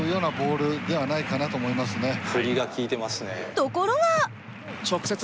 ところが。